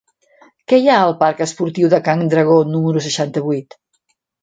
Què hi ha al parc Esportiu de Can Dragó número seixanta-vuit?